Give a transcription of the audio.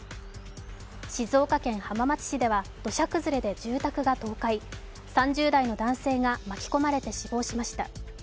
静岡県浜松市では土砂崩れで住宅が倒壊、３０代の男性が巻き込まれて死亡しました。